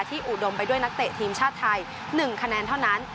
อุดมไปด้วยนักเตะทีมชาติไทย๑คะแนนเท่านั้น